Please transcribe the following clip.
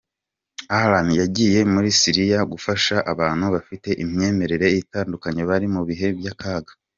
Alan yagiye muri Syria gufasha abantu bafite imyemerere itandukanye bari mu bihe by’akaga.